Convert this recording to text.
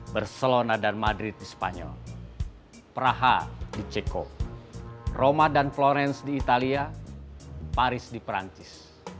barcelona dan madrid di spanyol praha di ceko roma dan florence di italia paris di perancis